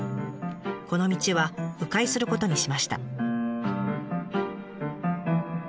この道は迂回することにしました。